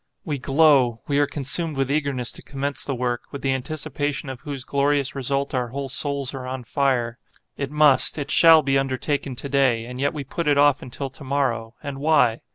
We glow, we are consumed with eagerness to commence the work, with the anticipation of whose glorious result our whole souls are on fire. It must, it shall be undertaken to day, and yet we put it off until to morrow; and why?